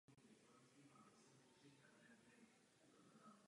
Tento druh je rozšířen na západě And v horských stepích a subtropických lesích.